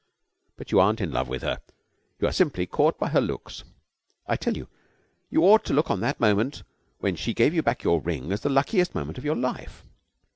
But you aren't in love with her. You are simply caught by her looks. I tell you, you ought to look on that moment when she gave you back your ring as the luckiest moment of your life.